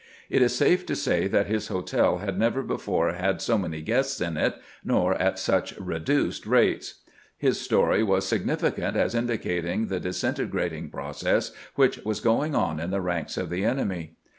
It is safe to say that his hotel had never before had so many guests in it, nor at such reduced rates. His story was significant as indicating the dis integrating process which was going on in the ranks of the enemy.